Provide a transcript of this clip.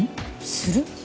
する？